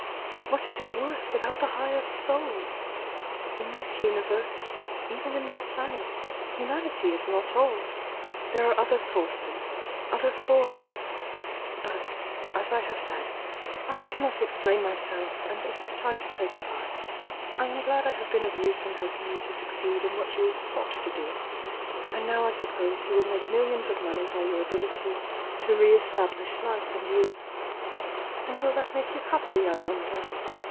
— what is it worth without the higher soul ! In this universe — even in this planet, humanity is not all! There are other forces — other forms — but — as I have said, I cannot explain myself, and it is time to say good bye. I am glad I have been of use in helping you to succeed in what you sought to do; and now I suppose you will make millions of money by your ability to re establish life and youth. And will that make you happy, I wonder?"